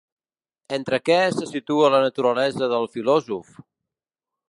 Entre què se situa, la naturalesa del filòsof?